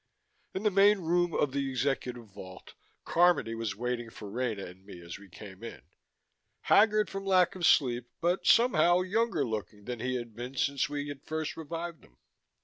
In the main room of the executive vault, Carmody was waiting for Rena and me as we came in, haggard from lack of sleep, but somehow younger looking than he had been since we had first revived him.